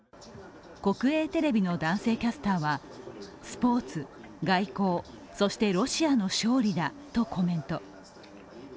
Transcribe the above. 国営テレビの男性キャスターはスポーツ、外交、そしてロシアの勝利だとコメント。